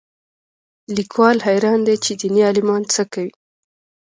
لیکوال حیران دی چې دیني عالمان څه کوي